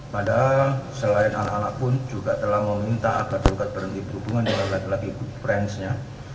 padahal selain anak anak pun juga telah meminta agar tergugat berhenti berhubungan dengan lagi lagi good branch nya